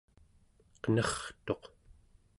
qenertuq